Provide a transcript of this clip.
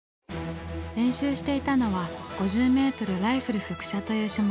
練習していたのは「５０メートルライフル伏射」という種目。